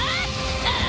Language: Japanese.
ああ！